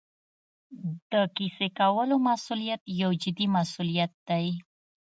د کیسې کولو مسوولیت یو جدي مسوولیت دی.